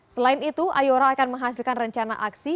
selain itu ayora akan menghasilkan rencana aksi